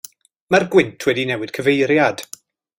Mae'r gwynt wedi newid cyfeiriad.